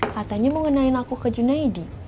katanya mau ngenalin aku ke junaidi